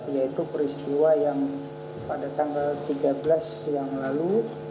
yaitu peristiwa yang pada tanggal tiga belas yang lalu